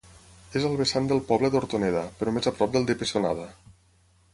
És al vessant del poble d'Hortoneda, però més a prop del de Pessonada.